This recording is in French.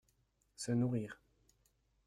Se nourrir.